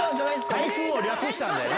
台風を略したんだよな。